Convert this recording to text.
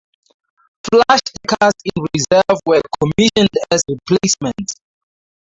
Flush-deckers in reserve were commissioned as replacements.